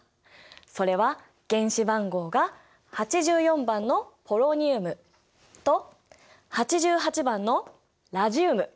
それは原子番号が８４番のポロニウムと８８番のラジウム。